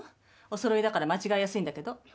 おそろいだから間違えやすいんだけど。